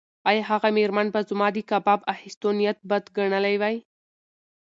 ایا هغه مېرمن به زما د کباب اخیستو نیت بد ګڼلی وای؟